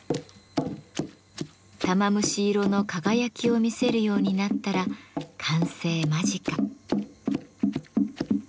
玉虫色の輝きを見せるようになったら完成間近。